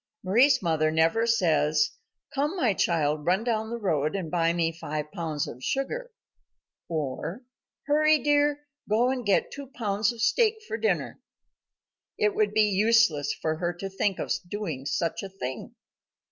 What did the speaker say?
Mari's mother never says, "Come, my child, run down the road and buy me five pounds of sugar," or, "Hurry, dear, go and get two pounds of steak for dinner." It would be useless for her to think of doing such a thing.